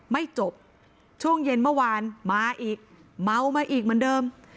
ไม่จบช่วงเย็นเมื่อวานมาอีกเมามาอีกเหมือนเดิม